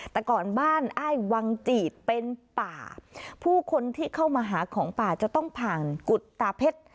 แต่ก่อนบ้านอ้ายวังจีดเป็นป่าผู้คนที่เข้ามาหาของป่าจะต้องผ่านกุฎตาเพชร